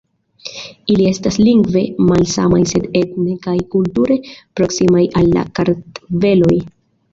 Ili estas lingve malsamaj sed etne kaj kulture proksimaj al la kartveloj.